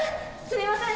すみません